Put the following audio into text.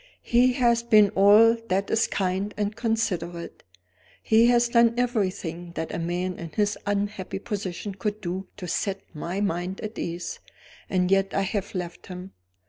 "He has been all that is kind and considerate: he has done everything that a man in his unhappy position could do to set my mind at ease. And yet I have left him.